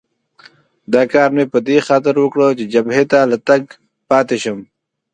دا کار مې په دې خاطر وکړ چې جبهې ته له تګه پاتې شم.